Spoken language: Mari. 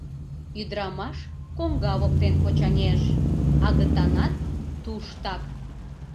Ӱдырамаш коҥга воктен почаҥеш — агытанат туштак.